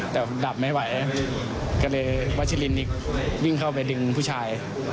แต่ดับไม่ไหวก็เลยวัชิลินนี่วิ่งเข้าไปดึงผู้ชาย